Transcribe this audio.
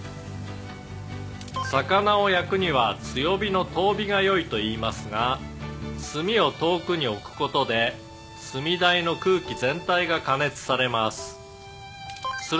「魚を焼くには強火の遠火がよいといいますが炭を遠くに置く事で炭台の空気全体が加熱されます」